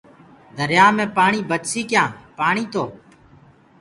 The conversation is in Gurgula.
دريآ مي پآڻي بچسي ڪيآنٚ پآڻيٚ تو